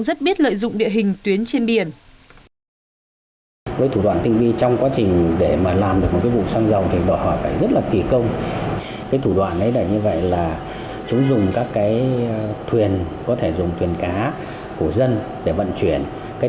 rất biết lợi dụng địa hình tuyến trên biển